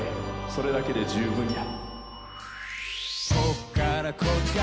それだけで十分や。